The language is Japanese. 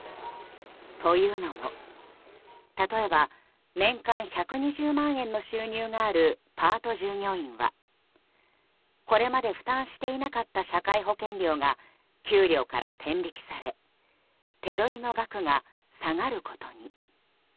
というのも、例えば年間１２０万円の収入があるパート従業員はこれまで負担していなかった社会保険料が給料から天引きされ手取りの額が下がることに。